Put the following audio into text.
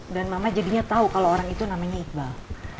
dan mama jadinya tahu kalau orang itu namanya iqbal